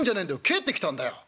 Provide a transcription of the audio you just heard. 帰ってきたんだよ」。